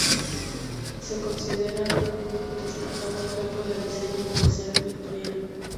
Se considera un destacado ejemplo del diseño comercial victoriano.